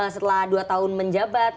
setelah dua tahun menjabat